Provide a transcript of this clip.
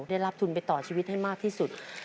ได้รับทุนไปต่อชีวิตให้มากที่สุด